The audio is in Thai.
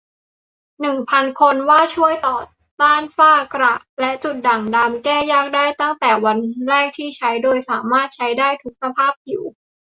หนึ่งพัน คน ว่าช่วยต่อต้านฝ้า กระ และจุดด่างดำแก้ยากได้ตั้งแต่วันแรกที่ใช้ โดยสามารถใช้ได้ทุกสภาพผิว